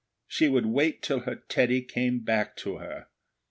She would wait till her Teddy came back to her.